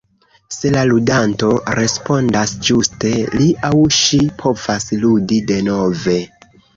Se la ludanto respondas ĝuste, li aŭ ŝi povas ludi denove.